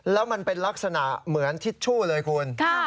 แล้วมันเป็นลักษณะเหมือนทิชชู่เลยคุณ